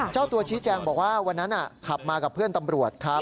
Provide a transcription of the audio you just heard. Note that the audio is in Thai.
เจ้าตัวชี้แจงบอกว่าวันนั้นขับมากับเพื่อนตำรวจครับ